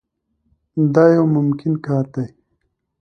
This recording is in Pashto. دا یو ممکن کار دی.